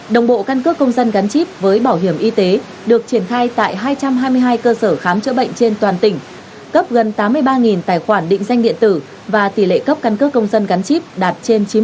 đồng bộ căn cước công dân gắn chip với bảo hiểm y tế được triển khai tại hai trăm hai mươi hai cơ sở khám chữa bệnh trên toàn tỉnh cấp gần tám mươi ba tài khoản định danh điện tử và tỷ lệ cấp căn cước công dân gắn chip đạt trên chín mươi